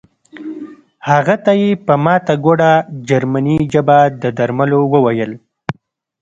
هغه ته یې په ماته ګوډه جرمني ژبه د درملو وویل